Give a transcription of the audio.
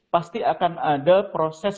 pasti akan ada proses